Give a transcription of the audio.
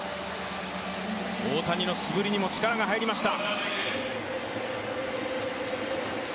大谷の素振りにも力が入りました。